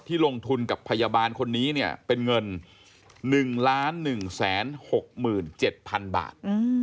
ลงทุนกับพยาบาลคนนี้เนี่ยเป็นเงิน๑๑๖๗๐๐๐บาท